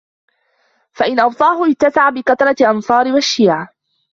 فَإِنْ أَوَطْأَهُ اتَّسَعَ بِكَثْرَةِ الْأَنْصَارِ وَالشِّيَعِ